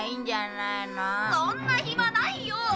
そんな暇ないよ！